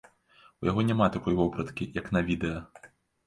У яго няма такой вопраткі, як на відэа.